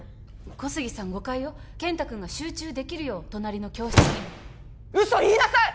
小杉さん誤解よ健太君が集中できるよう隣の教室に嘘言いなさい！